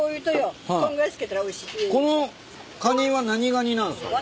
このカニは何ガニなんすか？